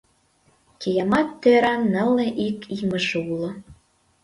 Киямат тӧран нылле ик имыже уло.